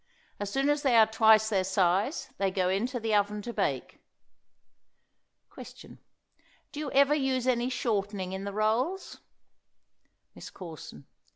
As soon as they are twice their size they go into the oven to bake. Question. Do you ever use any shortening in the rolls? MISS CORSON.